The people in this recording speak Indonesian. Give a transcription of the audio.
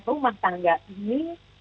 rumah tangga ini